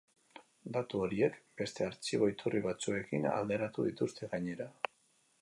Datu horiek beste artxibo-iturri batzuekin alderatu dituzte, gainera.